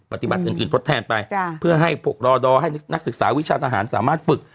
ปฏิบัติอื่นทดแทนไปเพื่อให้พวกรอดอให้นักศึกษาวิชาทหารสามารถฝึก